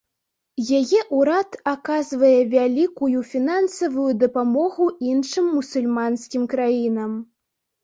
Яе ўрад аказвае вялікую фінансавую дапамогу іншым мусульманскім краінам.